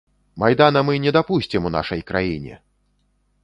Майдана мы не дапусцім у нашай краіне!